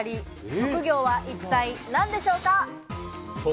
職業は一体何でしょうか？